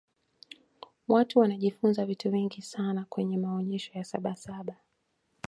watu wanajifunza vitu vingi sana kwenye maonyesho ya sabasaba